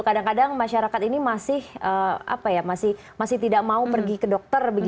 kadang kadang masyarakat ini masih tidak mau pergi ke dokter